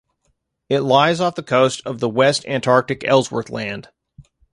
It lies off the coast of the West Antarctic Ellsworth Land.